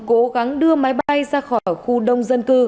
cố gắng đưa máy bay ra khỏi khu đông dân cư